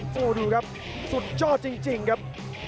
โอ้โหดูครับสุดยอดจริงครับ